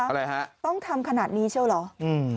อะไรฮะต้องทำขนาดนี้เชี่ยวเหรออืม